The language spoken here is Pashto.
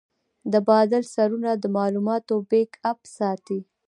د بادل سرورونه د معلوماتو بیک اپ ساتي.